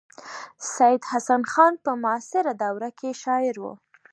سید حسن خان په معاصره دوره کې شاعر و.